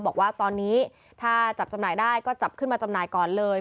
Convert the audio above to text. บอกว่าตอนนี้ถ้าจับจำหน่ายได้ก็จับขึ้นมาจำหน่ายก่อนเลย